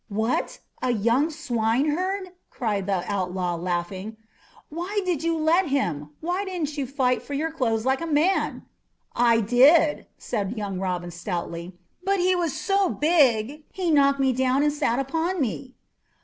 "What, a young swineherd!" cried the outlaw, laughing. "Why did you let him? Why didn't you fight for your clothes like a man?" "I did," said young Robin stoutly; "but he was so big, he knocked me down and sat upon me."